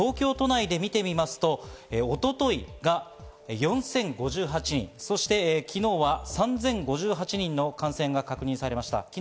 東京都内で見てみますと、一昨日が４０５８人、昨日は３０５８人の感染が確認されました。